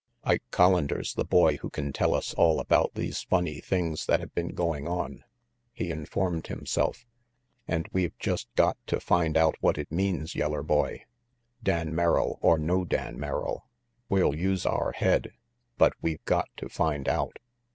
"Ike Collander's the boy who can tell us all about these funny things that have been going on," he informed himself, "and we've just got to find out what it means, yeller boy, Dan Merrill or no Dan Merrill. We'll use our head, but we've got to find out."